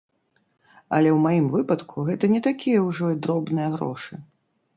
Але ў маім выпадку гэта не такія ўжо і дробныя грошы.